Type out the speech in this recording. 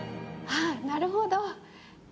あっなるほど。